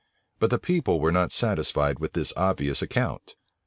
But the people were not satisfied with this obvious account.